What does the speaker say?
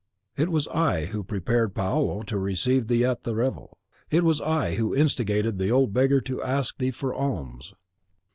"It was I who prepared Paolo to receive thee at the revel. It was I who instigated the old beggar to ask thee for alms.